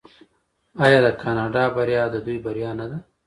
آیا د کاناډا بریا د دوی بریا نه ده؟